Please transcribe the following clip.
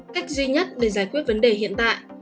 cách duy nhất để giải quyết vấn đề hiện tại